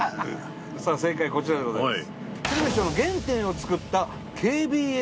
さあ正解こちらでございます。